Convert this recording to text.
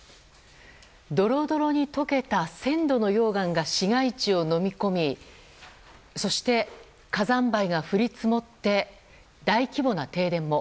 ドロドロに溶けた１０００度の溶岩が市街地をのみ込みそして、火山灰が降り積もって大規模な停電も。